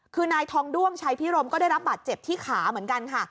คือนายทองด้วงชัยพิรมก็ได้รับบาดเจ็บที่ขาเหมือนกันค่ะ